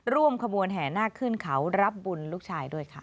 ร่วมขบวนแห่นาคขึ้นเขารับบุญลูกชายด้วยค่ะ